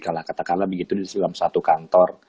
kala kala begitu dalam satu kantor